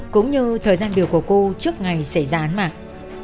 cũng như thời gian biểu của cô trước ngày xảy ra án mạng